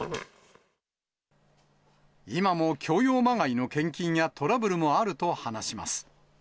今も強要まがいの献金やトラブルもあると話します。